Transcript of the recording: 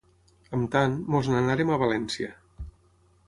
Amb tant, ens n'anàrem a València.